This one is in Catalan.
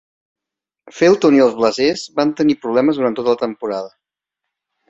Felton i els Blazers van tenir problemes durant tota la temporada.